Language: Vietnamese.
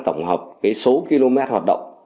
tổng hợp cái số km hoạt động